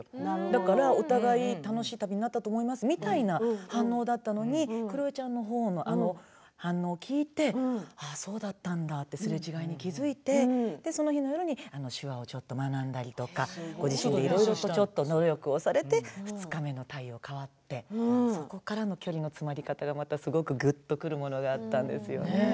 だからお互い楽しい旅になったと思いますみたいな反応だったのにくろえちゃんのほうの反応を聞いてそうだったんだとすれ違いに気付いてその日の夜に手話をちょっと学んだりとかご自身でいろいろとね努力をされて２日目の対応が変わってそこからの距離の詰まり方がすごくぐっとくるものがあったんですよね。